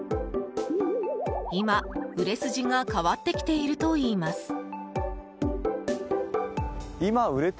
今、売れ筋が変わってきているといいます。